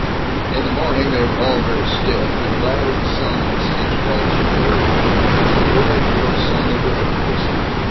In the morning they were all very stiff, but glad of the sun on sagebrush and river, and the boy and girl sang over breakfast.